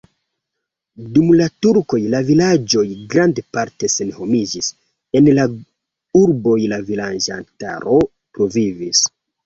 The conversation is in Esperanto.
Dum la turkoj la vilaĝoj grandparte senhomiĝis, en la urboj la loĝantaro pluvivis.